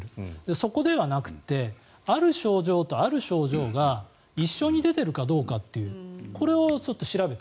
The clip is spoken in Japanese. そこではなくてある症状とある症状が一緒に出ているかどうかというこれを調べた。